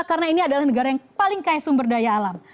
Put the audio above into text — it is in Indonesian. karena ini adalah negara yang paling kaya sumber daya alam